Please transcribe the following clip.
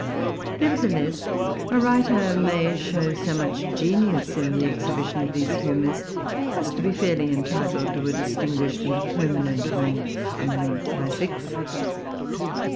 Nevertheless, a writer may show so much genius in the exhibition of these humors as to be fairly entitled to a distinguished and permanent rank among classics.